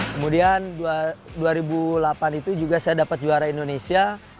kemudian dua ribu delapan itu juga saya dapat juara indonesia